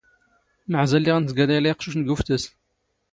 ⵎⴰⵄⵣⴰ ⵍⵍⵉⵖ ⵏⵏ ⵜⴳⴰ ⵍⴰⵢⵍⴰ ⵉⵇⵛⵓⵛⵏ ⴳ ⵓⴼⵜⴰⵙ?